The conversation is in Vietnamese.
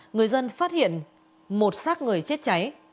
người dân phát hiện một sát người chết cháy